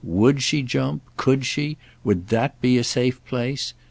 Would she jump, could she, would that be a safe place?